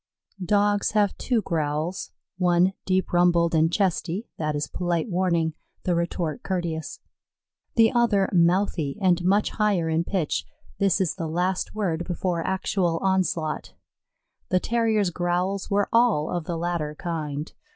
Dogs have two growls: one deep rumbled, and chesty; that is polite warning the retort courteous; the other mouthy and much higher in pitch: this is the last word before actual onslaught. The Terrier's growls were all of the latter kind.